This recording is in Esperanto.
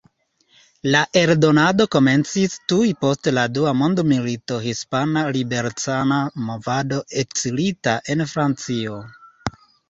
La eldonadon komencis tuj post la dua mondmilito Hispana Liberecana Movado ekzilita en Francio.